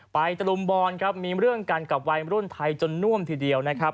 ตะลุมบอลครับมีเรื่องกันกับวัยรุ่นไทยจนน่วมทีเดียวนะครับ